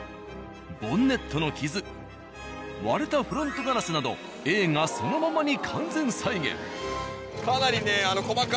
ボンネットの傷割れたフロントガラスなど映画そのままに完全再現。